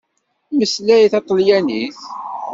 Mmeslay taṭalyanit!